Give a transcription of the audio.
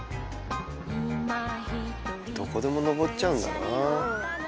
どこでも上っちゃうんだな。